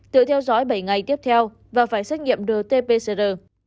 tự theo dõi bảy ngày tiếp theo và phải xét nghiệm rt pcr